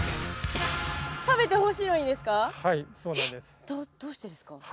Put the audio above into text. えっどうしてですか？